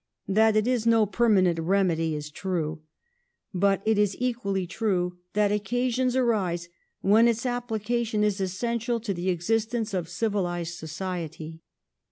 That it is no permanent remedy is ti ue ; but it is equally true that occa sions arise when its application is essential to the existence of civilized society.